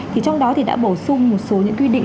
thì trong đó thì đã bổ sung một số những quy định